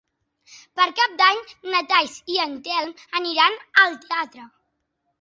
Per Cap d'Any na Thaís i en Telm aniran al teatre.